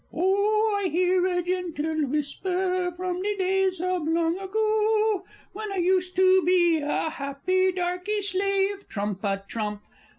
_) _Oh, I hear a gentle whisper from de days ob long ago, When I used to be a happy darkie slave. [Trump a trump!